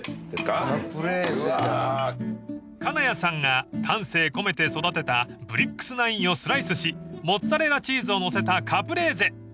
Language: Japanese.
［金谷さんが丹精込めて育てたブリックスナインをスライスしモッツァレラチーズを載せたカプレーゼ］